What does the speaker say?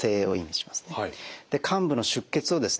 患部の出血をですね